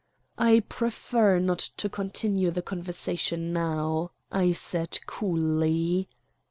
"I prefer not to continue the conversation now," I said coolly.